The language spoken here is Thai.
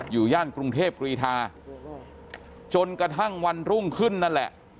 ย่านกรุงเทพกรีธาจนกระทั่งวันรุ่งขึ้นนั่นแหละ